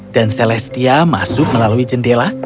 dan celestia masuk melalui jendela